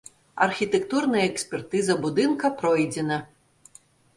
Архітэктурная экспертыза будынка пройдзена.